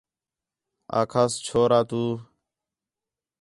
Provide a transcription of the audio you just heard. آکھاس چھورا تو